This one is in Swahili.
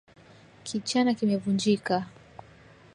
Kichana kimevunjika